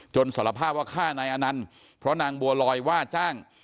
สารภาพว่าฆ่านายอนันต์เพราะนางบัวลอยว่าจ้าง